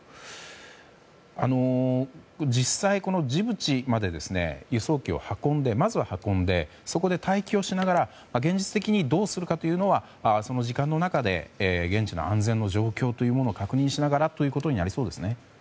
実際、ジブチまで輸送機をまずは運んでそこで待機をしながら、現実的にどうするかというのは時間の中で現地の安全の状況を確認しながらとなりそうですね。